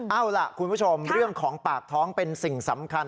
เอาล่ะคุณผู้ชมเรื่องของปากท้องเป็นสิ่งสำคัญ